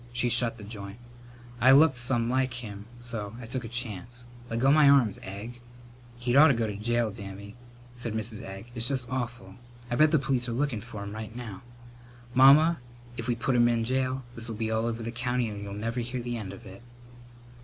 She shut the joint. I looked some like him so I took a chance. Leggo my arms, Egg!" "He'd ought to go to jail, Dammy," said Mrs. Egg. "It's just awful! I bet the police are lookin' for him right now." "Mamma, if we put him in jail this'll be all over the county and you'll never hear the end of it."